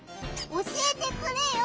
教えてくれよ！